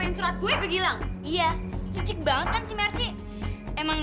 justru itu mama masakin buat kamu sayang